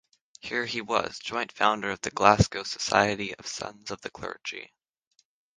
Here he was joint founder of the Glasgow Society of Sons of the Clergy.